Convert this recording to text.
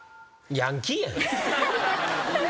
ヤンキーやんか。